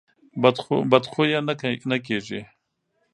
بد خویه نه کېږي.